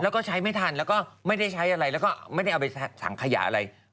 แล้วก็ใช้ไม่ทันแล้วก็ไม่ได้ใช้อะไรแล้วก็ไม่ได้เอาไปสังขยะอะไร